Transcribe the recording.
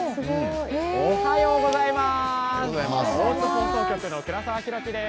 おはようございます。